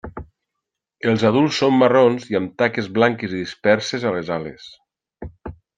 Els adults són marrons i amb taques blanques disperses a les ales.